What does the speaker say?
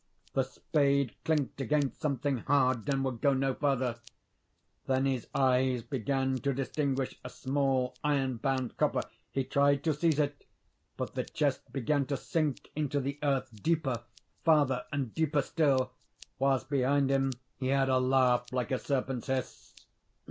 The spade clinked against something hard, and would go no further. Then his eyes began to distinguish a small, iron bound coffer. He tried to seize it; but the chest began to sink into the earth, deeper, farther, and deeper still: whilst behind him he heard a laugh like a serpent's hiss.